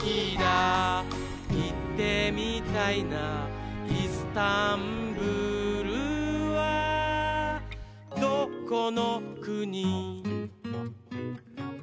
「いってみたいないすタンブールはどこのくに？」